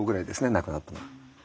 亡くなったのは。